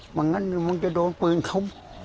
หวังงั้นมันจะโดนปืนเขา